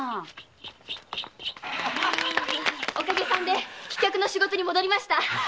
おかげさんで飛脚の仕事に戻りました。